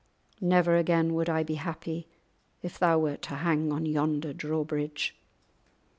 Never again would I be happy if thou wert to hang on yonder drawbridge."